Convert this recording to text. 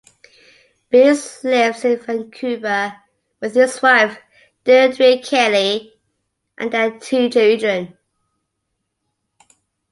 Beers lives in Vancouver with his wife Deirdre Kelly, and their two children.